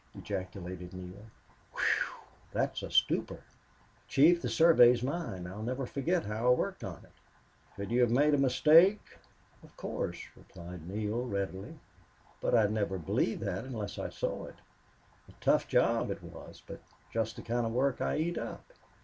ejaculated Neale. "WHEW! That's a stumper!... Chief, the survey is mine. I'll never forget how I worked on it." "Could you have made a mistake?" "Of course," replied Neale, readily. "But I'd never believe that unless I saw it. A tough job it was but just the kind of work I eat up."